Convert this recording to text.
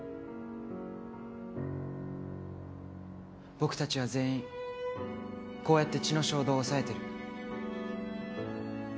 僕たちは全員こうやって血の衝動を抑えてる。